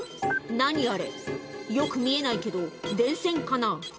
何あれよく見えないけど電線かな？